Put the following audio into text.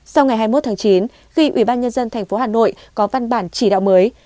sau ngày hai mươi một tháng chín khi ủy ban nhân dân tp hà nội có văn bản chỉ đạo mới